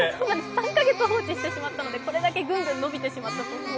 ３か月放置してしまったのでこれだけ伸びてしまったんです。